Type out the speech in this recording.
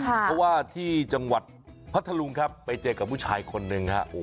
เพราะว่าที่จังหวัดพัทธลุงครับไปเจอกับผู้ชายคนหนึ่งฮะ